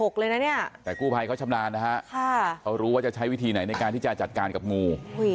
เขาชำลาญเขารู้ว่าจะใช้วิธีไหนในการที่จะจัดการกับงู